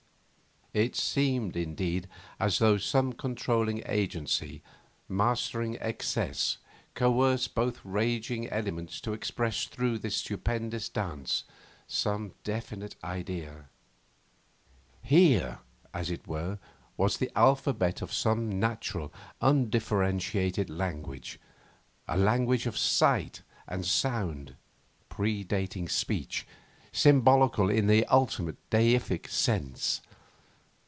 It seemed, indeed, as though some controlling agency, mastering excess, coerced both raging elements to express through this stupendous dance some definite idea. Here, as it were, was the alphabet of some natural, undifferentiated language, a language of sight and sound, predating speech, symbolical in the ultimate, deific sense.